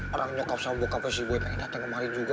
orang nyokap sama bokapnya sih gue pengen datang kemari juga